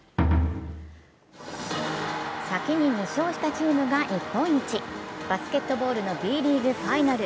先に２勝したチームが日本一バスケットボールのＢリーグファイナル。